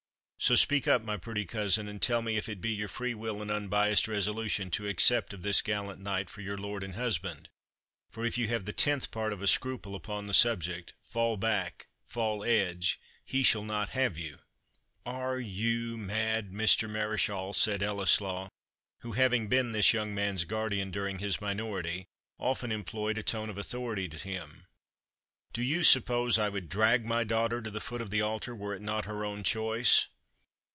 So, speak up, my pretty cousin, and tell me if it be your free will and unbiassed resolution to accept of this gallant knight for your lord and husband; for if you have the tenth part of a scruple upon the subject, fall back, fall edge, he shall not have you." "Are you mad, Mr. Mareschal?" said Ellieslaw, who, having been this young man's guardian during his minority, often employed a tone of authority to him. "Do you suppose I would drag my daughter to the foot of the altar, were it not her own choice?"